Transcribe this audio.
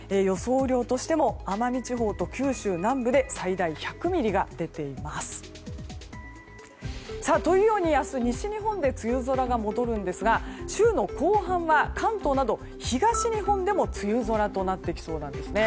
雨量としても奄美地方と九州南部で最大１００ミリが出ています。というように明日、西日本で梅雨空が戻るんですが週の後半は関東など東日本でも梅雨空となってきそうなんですね。